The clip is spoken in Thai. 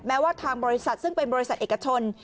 แม้ว่าทางบริษัทซึ่งเป็นบริษัทเอกชน